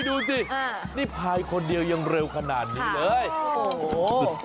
ดูสินี่พายคนเดียวยังเร็วขนาดนี้เลยโอ้โห